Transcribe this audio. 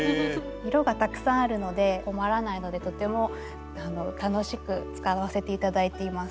色がたくさんあるので困らないのでとても楽しく使わせて頂いています。